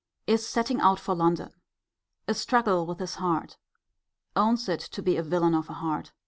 Is setting out for London. A struggle with his heart. Owns it to be a villain of a heart.